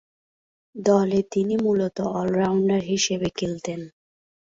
দলে তিনি মূলতঃ অল-রাউন্ডার হিসেবে খেলতেন।